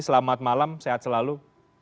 selamat malam sehat selalu